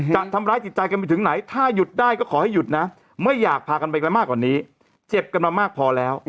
ทำร้ายจิตใจกันไปถึงไหนถ้าหยุดได้ก็ขอให้หยุดนะไม่อยากพากันไปกันมากกว่านี้เจ็บกันมามากพอแล้ว